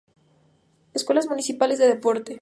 Escuelas Municipales de Deporte.